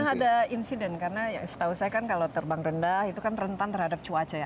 karena ada insiden karena setahu saya kan kalau terbang rendah itu kan rentan terhadap cuaca ya